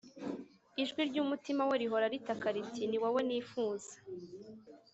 . Ijwi ry’umutima we rihora ritaka riti, ni wowe nifuza